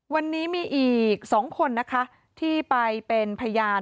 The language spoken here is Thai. วันนี้มีอีก๒คนนะคะที่ไปเป็นพยาน